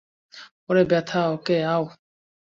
ওরে ব্যথা, ওকে, আউ।